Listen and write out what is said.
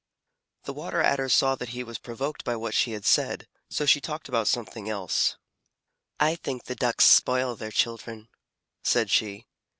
The Water Adder saw that he was provoked by what she had said, so she talked about something else. "I think the Ducks spoil their children," said she.